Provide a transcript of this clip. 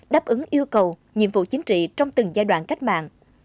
đáp ứng yêu cầu nhiệm vụ chính trị trong từng giai đoạn cách mạng